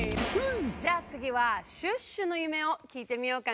じゃあつぎはシュッシュの夢をきいてみようかな！